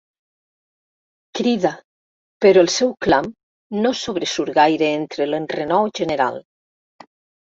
Crida, però el seu clam no sobresurt gaire entre l'enrenou general.